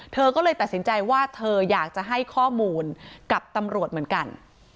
เธอก็เลยตัดสินใจว่าเธออยากจะให้ข้อมูลกับตำรวจเหมือนกัน